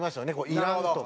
「いらん」とか。